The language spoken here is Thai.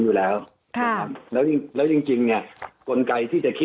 สวัสดีครับทุกคน